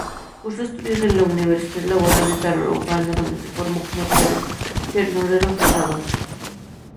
Cursó estudios en la Universidad Laboral de Tarragona donde se formó como tornero-fresador.